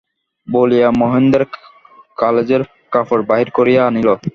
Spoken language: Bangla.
বলিয়া মহেন্দ্রের কালেজের কাপড় বাহির করিয়া আনিল।